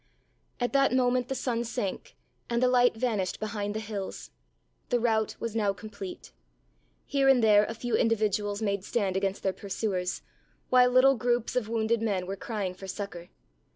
At that moment the sun sank and the light vanished behind the hills. The rout was now complete. Here and there a few individuals made stand against their pursuers, while little groups of wounded men were crying for succour.